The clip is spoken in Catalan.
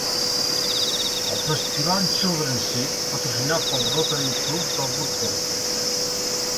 El Festival Children's Seed, patrocinat pel Rotary Club d'Albuquerque.